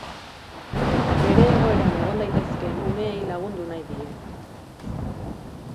Bere egoeran egon daitezkeen umeei lagundu nahi die.